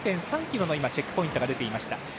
１．３ｋｍのチェックポイントが出ていました。